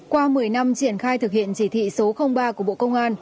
qua một mươi năm triển khai thực hiện chỉ thị số ba của bộ công an